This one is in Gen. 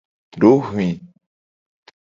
Dohwi.